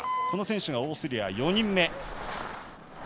この選手がオーストリア、４人目。